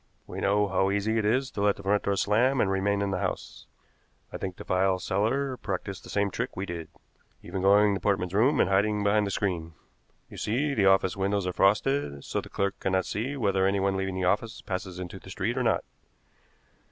We know how easy it is to let the front door slam and remain in the house. I think the file seller practiced the same trick we did. Even to going to Portman's room and hiding behind the screen. You see, the office windows are frosted, so the clerk cannot see whether anyone leaving the office passes into the street or not.